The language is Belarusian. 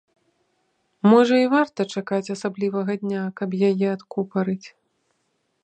Можа і варта чакаць асаблівага дня, каб яе адкупарыць?